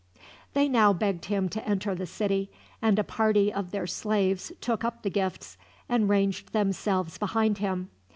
They now begged him to enter the city, and a party of their slaves took up the gifts, and ranged themselves behind him.